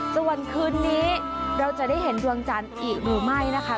ส่วนคืนนี้เราจะได้เห็นดวงจันทร์อีกหรือไม่นะคะ